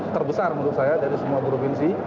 terbesar menurut saya dari semua provinsi